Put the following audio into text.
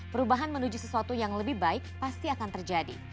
perubahan menuju sesuatu yang lebih baik pasti akan terjadi